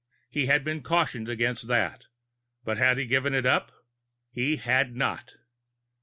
He had been cautioned against that. But had he given it up? He had not.